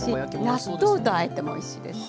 納豆とあえてもおいしいです。